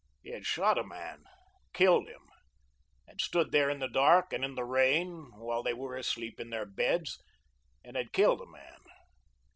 He had shot a man, killed him, had stood there in the dark and in the rain while they were asleep in their beds, and had killed a man.